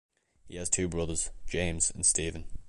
He has two brothers, James and Steven.